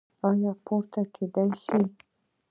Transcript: ایا پورته کیدی شئ؟